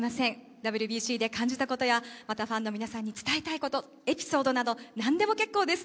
ＷＢＣで感じたことやまたファンの皆さんに伝えたいこと、エピソードなど何でも結構です。